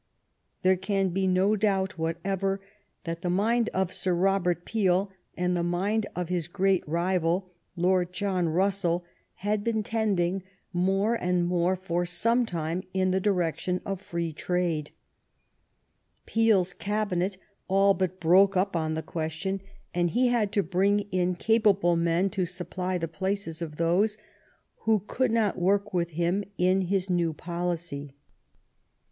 There can be no doubt whatever that the mind of Sir Robert Peel, and the mind of his great rival, Lord John Russell, had been tending more and more for some time in the direction of free trade. Peel's Cabinet all but broke up on the question, and he had to bring THE STORY OF GLADSTONES LIFE in capable men to supply the places of those who could not work with him in his new policy. Mr.